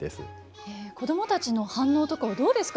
子供たちの反応とかはどうですか？